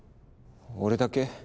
俺だけ？